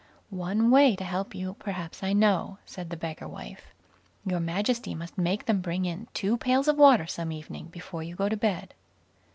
"One way to help you perhaps I know", said the beggar wife. "Your Majesty must make them bring in two pails of water some evening before you go to bed.